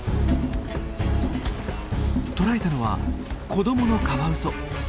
捕らえたのは子どものカワウソ！